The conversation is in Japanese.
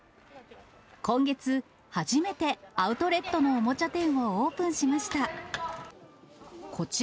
今月、初めてアウトレットのおもちゃ店をオープンしました。